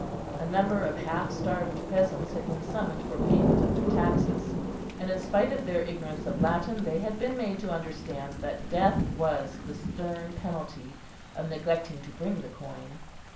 A number of half starved peasants had been summoned for payment of their taxes, and in spite of their ignorance of Latin, they had been made to understand that death was the stern penalty of neglecting to bring the coin.